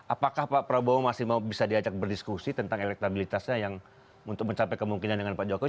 apakah pak prabowo masih mau bisa diajak berdiskusi tentang elektabilitasnya yang untuk mencapai kemungkinan dengan pak jokowi